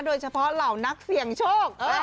โดยเฉพาะเหล่านักเสียงโชค